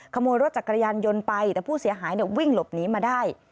ขโมยรถจักรยานยนต์ไปแต่ผู้เสียหายวิ่งหลบหนีมาได้